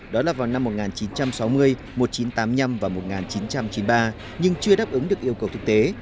đó là vào năm một nghìn chín trăm sáu mươi một nghìn chín trăm tám mươi năm và một nghìn chín trăm chín mươi ba nhưng chưa đáp ứng được yêu cầu thực tế